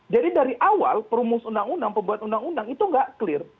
jadi dari awal perumus undang undang pembuat undang undang itu nggak clear